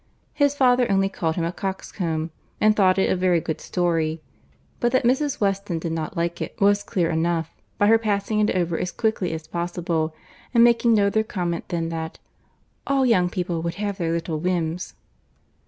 His father only called him a coxcomb, and thought it a very good story; but that Mrs. Weston did not like it, was clear enough, by her passing it over as quickly as possible, and making no other comment than that "all young people would have their little whims."